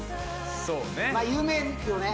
そうね。